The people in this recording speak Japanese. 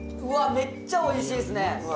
めっちゃおいしいっすね・うわ